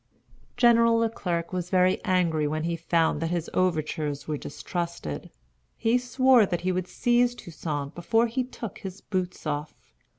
General Le Clerc was very angry when he found that his overtures were distrusted. He swore that he would seize Toussaint before he took his boots off.